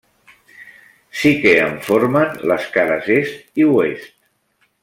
Sí que en formen les cares est i oest.